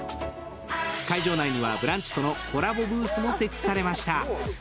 会場内には「ブランチ」とのコラボブースも設置されました。